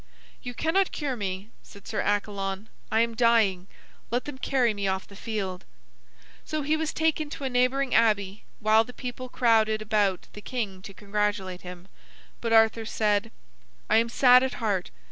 "You cannot cure me," said Sir Accalon. "I am dying. Let them carry me off the field." So he was taken to a neighboring abbey, while the people crowded about the king to congratulate him, but Arthur said: "I am sad at heart.